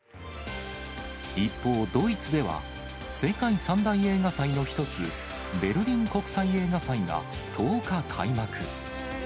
一方、ドイツでは、世界三大映画祭の一つ、ベルリン国際映画祭が１０日、開幕。